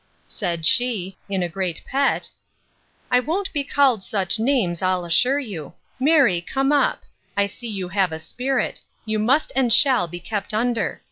—Said she, in a great pet, I won't be called such names, I'll assure you. Marry come up! I see you have a spirit: You must and shall be kept under.